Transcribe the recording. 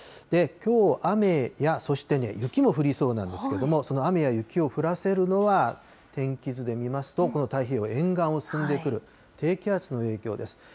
きょう、雨やそして雪も降りそうなんですけれども、その雨や雪を降らせるのは、天気図で見ますと、この太平洋沿岸を進んでくる低気圧の影響です。